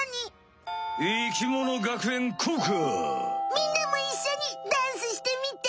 みんなもいっしょにダンスしてみて！